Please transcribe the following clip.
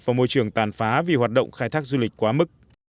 và môi trường tàn phá vì hoạt động khai thác du lịch quá mức